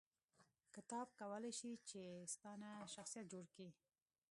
کتاب کولای شي ستا نه شخصیت جوړ کړي